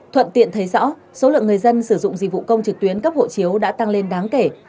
thuận tiện thấy rõ số lượng người dân sử dụng dịch vụ công trực tuyến cấp hộ chiếu đã tăng lên đáng kể